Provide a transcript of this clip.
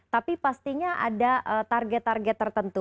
tapi pastinya ada target target tertentu